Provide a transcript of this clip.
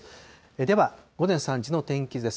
では、午前３時の天気図です。